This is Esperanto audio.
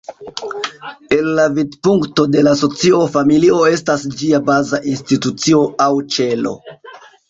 El la vidpunkto de la socio, familio estas ĝia baza institucio aŭ "ĉelo".